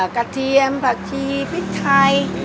เทียมผักชีพริกไทย